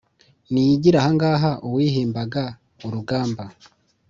niyigire ahangaha uwihimbaga urugamba,